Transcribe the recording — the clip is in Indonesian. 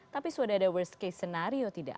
tapi sudah ada worst case scenario tidak